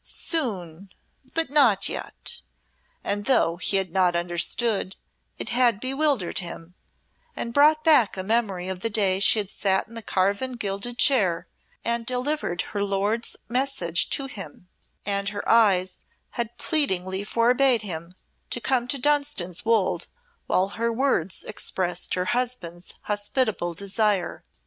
Soon but not yet!" and though he had not understood, it had bewildered him, and brought back a memory of the day she had sate in the carven gilded chair and delivered her lord's message to him, and her eyes had pleadingly forbade him to come to Dunstan's Wolde while her words expressed her husband's hospitable desire.